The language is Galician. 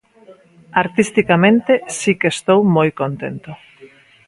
Artisticamente si que estou moi contento.